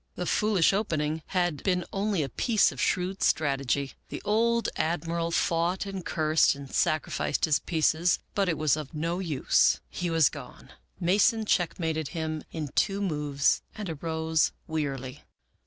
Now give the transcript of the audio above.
The foolish opening had been only a piece of shrewd strategy. The old Admiral fought and cursed and sacrificed his pieces, but it was of no use. He was gone. Mason checkmated him in two moves and arose wearily.